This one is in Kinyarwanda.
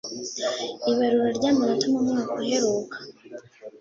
ibarura ry’amanota mu mwaka uheruka